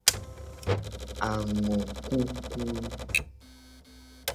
Angokuku.